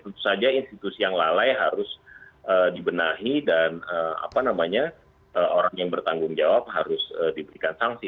tentu saja institusi yang lalai harus dibenahi dan orang yang bertanggung jawab harus diberikan sanksi